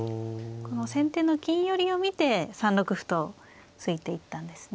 この先手の金寄りを見て３六歩と突いていったんですね。